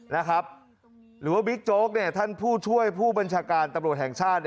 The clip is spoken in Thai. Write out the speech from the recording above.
นะครับหรือว่าบิ๊กโจ๊กเนี่ยท่านผู้ช่วยผู้บัญชาการตรวจแห่งชาติ